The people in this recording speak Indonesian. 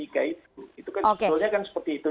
itu kan sebetulnya kan seperti itu